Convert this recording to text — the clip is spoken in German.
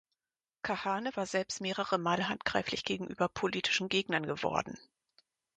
Kahane war selbst mehrere Male handgreiflich gegenüber politischen Gegnern geworden.